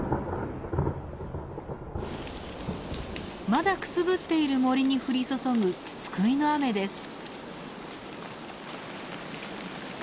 まだくすぶっている森に降り注ぐ救いの雨です。